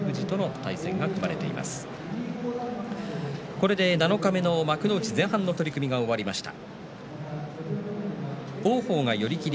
これで七日目の幕内前半の取組が終わりました。